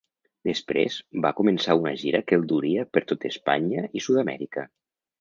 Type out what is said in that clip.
Després va començar una gira que el duria per tot Espanya i Sud-amèrica.